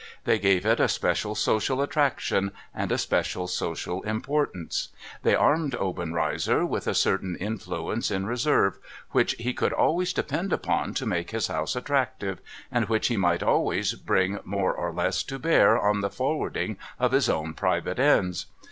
They gave it a special social attraction and a special social importance. They armed Obenreizer with a certain influence in reserve, which he could always depend upon to make his house attractive, and which he might always bring more or less to bear on the forwarding of his own private ends.